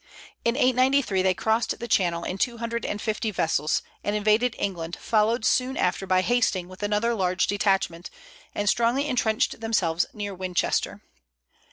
In 893 they crossed the Channel in two hundred and fifty vessels, and invaded England, followed soon after by Hasting with another large detachment, and strongly intrenched themselves near Winchester.